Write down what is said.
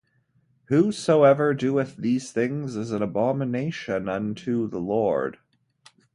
Whosoever doeth these things is an abomination unto the Lord.